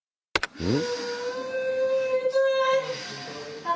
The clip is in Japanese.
うん。